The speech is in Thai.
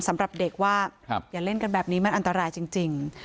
สำหรับเด็กว่าอย่าเล่นกันแบบนี้มันอันตรายจริง